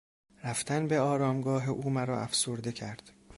رفتن به آرامگاه او مرا افسرده کرد.